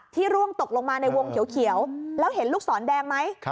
ร่วงตกลงมาในวงเขียวแล้วเห็นลูกศรแดงไหม